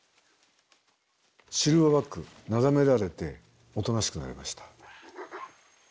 シルバーバックなだめられておとなしくなりました。